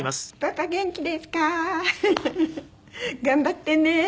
頑張ってね。